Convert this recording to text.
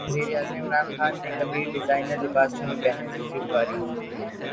وزیراعظم عمران خان نے کبھی ڈیزائنر لباس نہیں پہنے زلفی بخاری